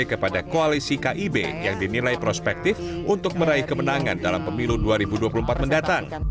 kepada koalisi kib yang dinilai prospektif untuk meraih kemenangan dalam pemilu dua ribu dua puluh empat mendatang